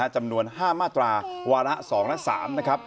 จำนวน๕มาตราวาระ๒และ๓